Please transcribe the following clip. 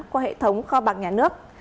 qua hệ thống kho bạc nhà nước